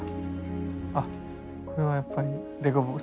あっこれはやっぱりデコボコ。